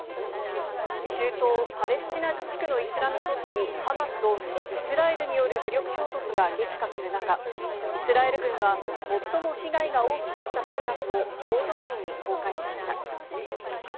中東・パレスチナ自治区のイスラム組織・ハマスとイスラエルによる武力衝突が激化する中、イスラエル軍は最も被害が大きかった集落を報道陣に公開しました。